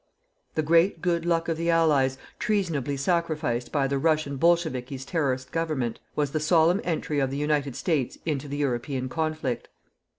The great good luck of the Allies, treasonably sacrificed by the Russian bolchevikis terrorist government, was the solemn entry of the United States into the European conflict.